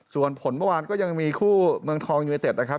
ส่วนผลเมื่อวานก็ยังมีคู่เมืองทองยูเนเต็ดนะครับ